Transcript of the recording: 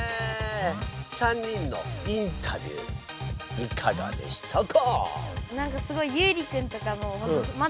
３人のインタビューいかがでしたか？